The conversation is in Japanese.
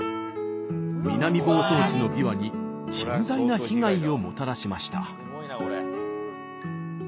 南房総市のびわに甚大な被害をもたらしました。